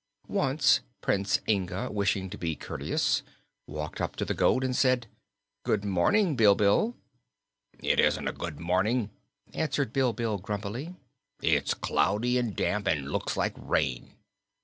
Once Prince Inga, wishing to be courteous, walked up to the goat and said: "Good morning, Bilbil." "It isn't a good morning," answered Bilbil grumpily. "It is cloudy and damp, and looks like rain."